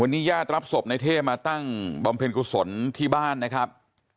วันนี้ญาติรับศพในเท่มาตั้งบำเพ็ญกุศลที่บ้านนะครับ